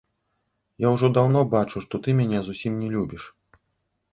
Я ўжо даўно бачу, што ты мяне зусім не любіш.